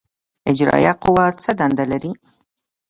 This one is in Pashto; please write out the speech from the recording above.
اجرائیه قوه څه دنده لري؟